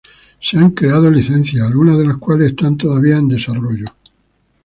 Se han creado licencias, algunas de las cuales están todavía en desarrollo.